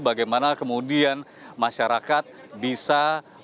bagaimana kemudian masyarakat bisa